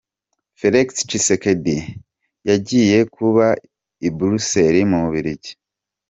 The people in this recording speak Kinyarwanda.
Felix Tshisekedi yagiye kuba i Buruseli mu Bubiligi.